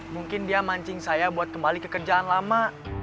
mungkin dia mancing saya buat kembali kekerjaan lama